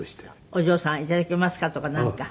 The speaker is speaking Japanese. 「お嬢さん頂けますか？」とかなんか。